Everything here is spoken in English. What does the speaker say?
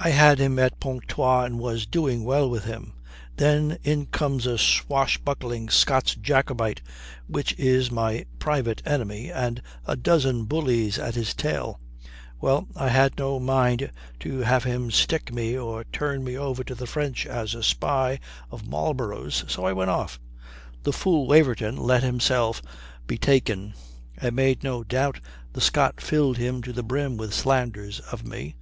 I had him at Pontoise and was doing well with him. Then in comes a swashbuckling Scots Jacobite which is my private enemy, and a dozen bullies at his tail. Well, I had no mind to have him stick me or turn me over to the French as a spy of Marlborough's, so I went off. The fool Waverton let himself be taken. I make no doubt the Scot filled him to the brim with slanders of me.